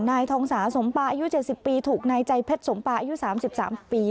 นายทองสาสมปาอายุ๗๐ปีถูกนายใจเพชรสมปาอายุ๓๓ปี